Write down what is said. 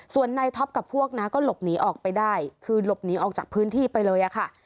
ส่วนนายท็อปกับพวกนะก็หลบหนีออกไปได้คือหลบหนีออกจากพื้นที่ไปเลยอะค่ะ